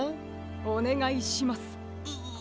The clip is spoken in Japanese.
おねがいします。